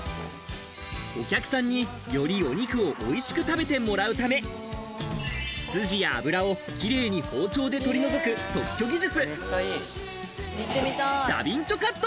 お客さんに、よりお肉を美味しく食べてもらうため、筋や脂をキレイに包丁で取り除く特許技術。